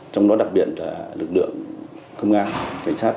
trong đó đặc biệt là lực lượng công an cảnh sát